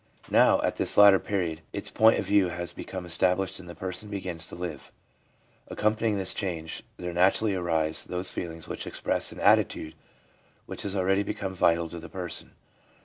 Now, at this later period, its point of view has become established and the person begins to live. Accompanying this change there naturally arise those feelings which express an attitude which has already become vital to the person.